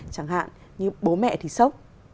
chẳng hạn như bố mẹ thì sốc